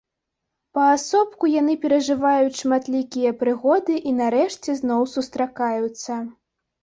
Паасобку яны перажываюць шматлікія прыгоды і нарэшце зноў сустракаюцца.